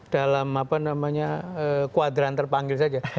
dalam kuadran terpanggil saja